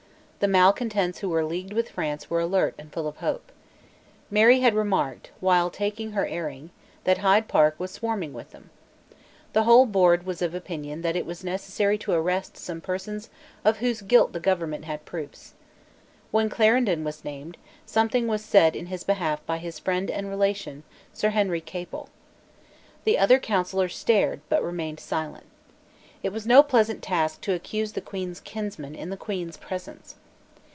The malecontents who were leagued with France were alert and full of hope. Mary had remarked, while taking her airing, that Hyde Park was swarming with them. The whole board was of opinion that it was necessary to arrest some persons of whose guilt the government had proofs. When Clarendon was named, something was said in his behalf by his friend and relation, Sir Henry Capel. The other councillors stared, but remained silent. It was no pleasant task to accuse the Queen's kinsman in the Queen's presence.